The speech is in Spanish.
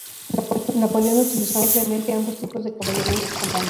Napoleón utilizó ampliamente ambos tipos de caballería en sus campañas.